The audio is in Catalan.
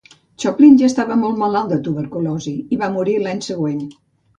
Chopin ja estava molt malalt de tuberculosi i va morir l'any següent.